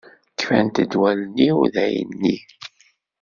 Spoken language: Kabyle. Kfan-t wallen-iw dayen-nni.